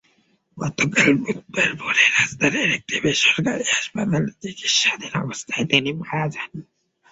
গতকাল বুধবার ভোরে রাজধানীর একটি বেসরকারি হাসপাতালে চিকিৎসাধীন অবস্থায় তিনি মারা যান।